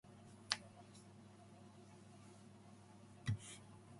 Jasper was a Confederate Army headquarters for a nine-county area.